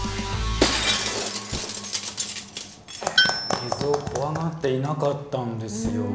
水を怖がっていなかったんですよ。